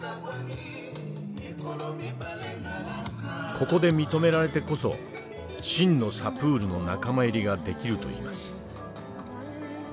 ここで認められてこそ真のサプールの仲間入りができるといいます。